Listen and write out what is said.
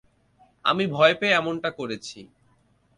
আমি ভয় পেয়ে এমনটা করেছি।